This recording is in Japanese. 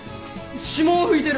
指紋拭いてる！